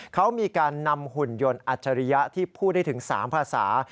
เขามีการนำหุ่นยนต์อัจฉริยะที่พูดได้ถึง๓ภาษา